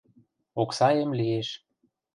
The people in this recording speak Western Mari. Оксаэм лиэш.